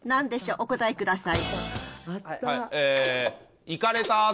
お答えください。